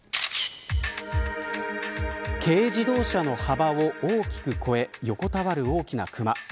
軽自動車の幅を大きく超え横たわる大きなクマ。